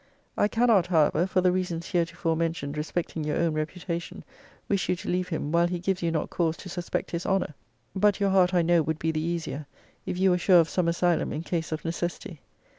I cannot, however (for the reasons heretofore mentioned respecting your own reputation,) wish you to leave him while he gives you not cause to suspect his honour. But your heart I know would be the easier, if you were sure of some asylum in case of necessity.